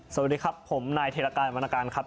สวัสดีครับผมนายเทรกายวรรณการครับ